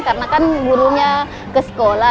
karena kan gurunya ke sekolah